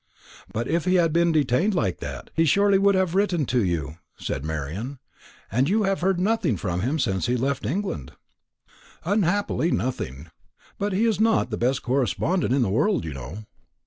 "But if he had been detained like that, he would surely have written to you," said Marian; "and you have heard nothing from him since he left England." "Unhappily nothing. But he is not the best correspondent in the world, you know."